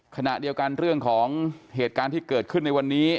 ขณะเดียวกันเรื่องของเหตุการณ์ที่เกิดขึ้นในวันนี้